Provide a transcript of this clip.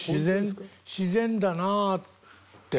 自然だなあって。